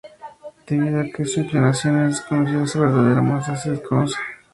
Debido a que su inclinación es desconocida, su verdadera masa se desconoce.